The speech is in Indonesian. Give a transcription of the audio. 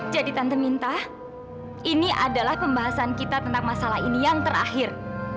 jadi tante minta ini adalah pembahasan kita tentang masalah ini yang terakhir